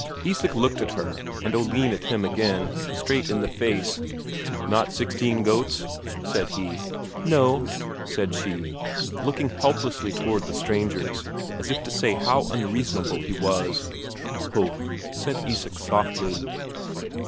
Isak looked at her, and Oline looked at him again, straight in the face. "Not sixteen goats?" said he. "No," said she, looking helplessly towards the strangers, as if to say how unreasonable he was. "Ho!" said Isak softly.